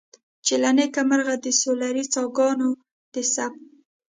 چې له نیکه مرغه د سولري څاګانو د ثبت.